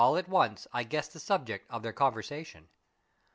At once I guessed the subject of their conversation.